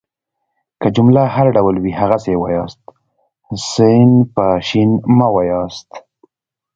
که جمله هر ډول وي هغسي يې وایاست. س په ش مه واياست.